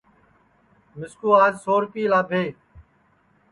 مِسکُو آج سو ریپئے لاٻھے